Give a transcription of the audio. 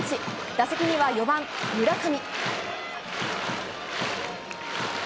打席には４番、村上。